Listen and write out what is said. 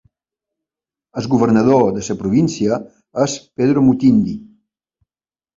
El governador de la província és Pedro Mutindi.